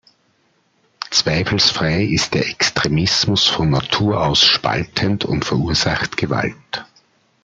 Zweifelsfrei ist der Extremismus von Natur aus spaltend und verursacht Gewalt.